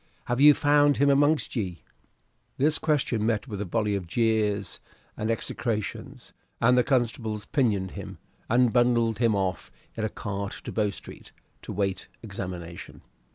Have ye found him amongst ye?" This question met with a volley of jeers and execrations and the constables pinioned him, and bundled him off in a cart to Bow Street, to wait examination.